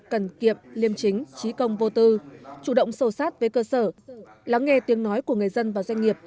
cần kiệm liêm chính trí công vô tư chủ động sâu sát với cơ sở lắng nghe tiếng nói của người dân và doanh nghiệp